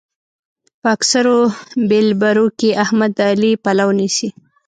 په اکثرو بېلبرو کې احمد د علي پلو نيسي.